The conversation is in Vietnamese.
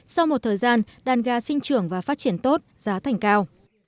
sau một thời gian đàn gà sinh trưởng và phát triển tốt giá thành cao